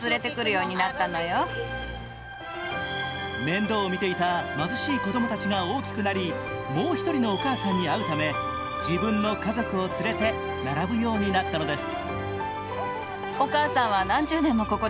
面倒を見ていた貧しい子供たちが大きくなりもう一人のお母さんに会うため自分の家族を連れて並ぶようになったのです。